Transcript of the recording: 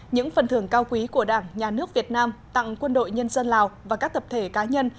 những phần thưởng cao quý của đảng nhà nước việt nam tặng quân đội nhân dân lào và các tập thể cá nhân